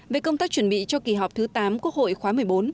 về công tác chuẩn bị cho kỳ họp thứ tám quốc hội khóa một mươi bốn